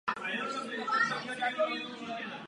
Larvy se vyvíjejí na smrku.